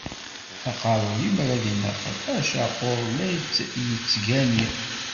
Aqerru limer ad d-inaqel, acaqur la t-yettgani.